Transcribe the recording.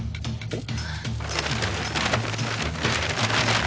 えっ？